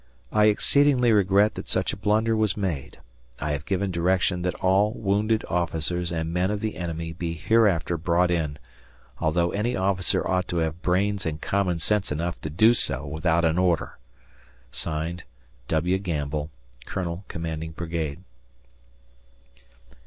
I exceedingly regret that such a blunder was made. I have given direction that all wounded officers and men of the enemy be hereafter brought in, although any officer ought to have brains and common sense enough to do so without an order. (Signed) W. Gamble, Colonel Commanding Brigade.